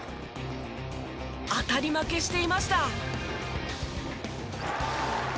当たり負けしていました。